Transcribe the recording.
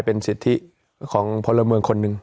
เป็นสิทธิของพลเมืองคนหนึ่ง